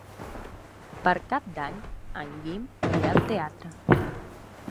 Per Cap d'Any en Guim irà al teatre.